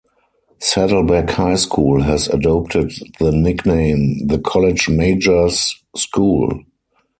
Saddleback High School has adopted the nickname "The College Majors School".